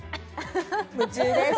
夢中です